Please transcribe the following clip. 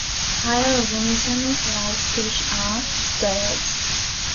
Higher organisms like fish are diodes.